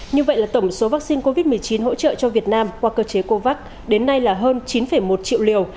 như vậy là tổng số vaccine covid một mươi chín hỗ trợ cho việt nam qua cơ chế covax đến nay là hơn chín một triệu liều